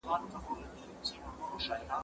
چي یې بیا دی را ایستلی د ګور مړی